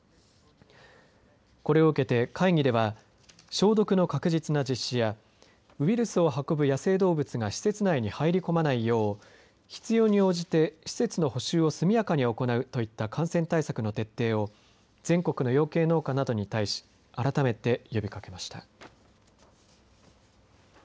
これを受けて会議では消毒の確実な実施やウイルスを運ぶ野生動物が施設内に入り込まないよう必要に応じて施設の補修を速やかに行うといった感染対策の徹底を全国の養鶏農家などに対し改めて呼びかけました。